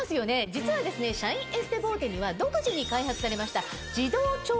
実はシャインエステボーテには独自に開発されました。